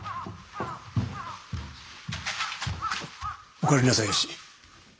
・お帰りなさいやし。